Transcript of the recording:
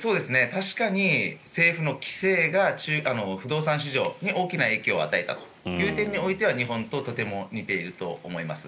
確かに政府の規制が不動産市場に大きな影響を与えたという点においては日本ととても似ていると思います。